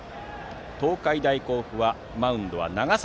東海大甲府はマウンドは長崎。